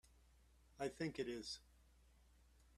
I think it is.